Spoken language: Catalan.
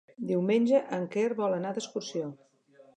Diumenge en Quer vol anar d'excursió.